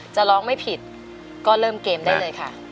จะร้องไม่ผิดก็เริ่มเกมได้เลยค่ะ